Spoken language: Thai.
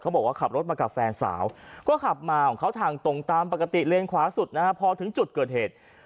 บอกว่าขับรถมากับแฟนสาวก็ขับมาของเขาทางตรงตามปกติเลนขวาสุดนะฮะพอถึงจุดเกิดเหตุ